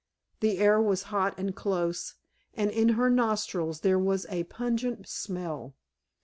The air was hot and close, and in her nostrils there was a pungent smell.